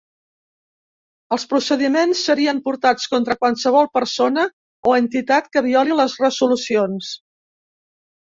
Els procediments serien portats contra qualsevol persona o entitat que violi les resolucions.